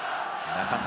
中田！